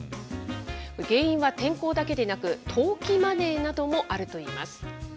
原因は天候だけでなく、投機マネーなどもあるといいます。